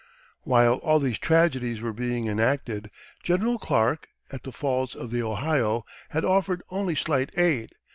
While all these tragedies were being enacted, General Clark, at the Falls of the Ohio, had offered only slight aid.